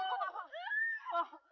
jangan lupa pak